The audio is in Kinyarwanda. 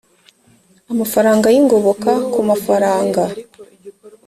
amafaranga y ingoboka ku mafaranga